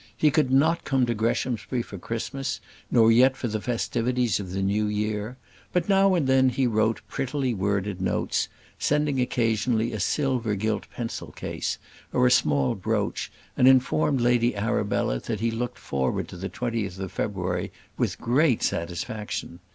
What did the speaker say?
He could not come to Greshamsbury for Christmas, nor yet for the festivities of the new year; but now and then he wrote prettily worded notes, sending occasionally a silver gilt pencil case, or a small brooch, and informed Lady Arabella that he looked forward to the 20th of February with great satisfaction.